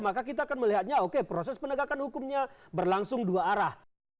maka kita akan melihatnya oke proses penegakan hukumnya berlangsung dua arah